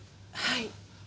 はい。